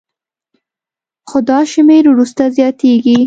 خو دا شمېر وروسته زیاتېږي